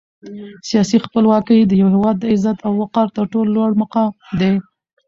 سیاسي خپلواکي د یو هېواد د عزت او وقار تر ټولو لوړ مقام دی.